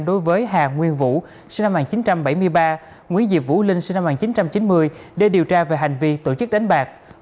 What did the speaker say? đối với hà nguyên vũ sinh năm một nghìn chín trăm bảy mươi ba nguyễn diệp vũ linh sinh năm một nghìn chín trăm chín mươi để điều tra về hành vi tổ chức đánh bạc